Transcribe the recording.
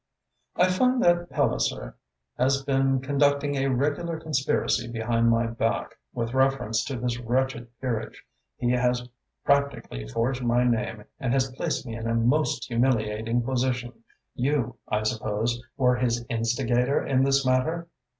"I find that Palliser has been conducting a regular conspiracy behind my back, with reference to this wretched peerage. He has practically forged my name and has placed me in a most humiliating position. You, I suppose, were his instigator in this matter?"